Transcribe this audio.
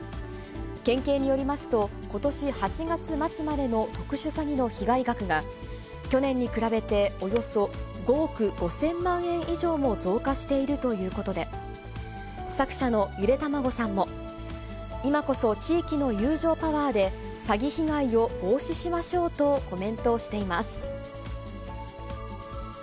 県警によりますと、ことし８月末までの特殊詐欺の被害額が、去年に比べておよそ５億５０００万円以上も増加しているということで、作者のゆでたまごさんも、今こそ地域の友情パワーで、詐欺被害を防止しましょうとコメントをしています。